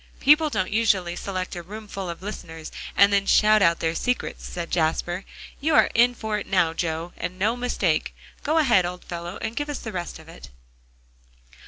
"People don't usually select a roomful of listeners, and then shout out their secrets," said Jasper. "You are in for it now, Joe, and no mistake. Go ahead, old fellow, and give us the rest of it."